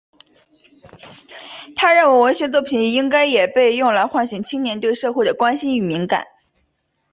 他认为文学作品应该也被用来唤醒青年对社会的关心与敏感。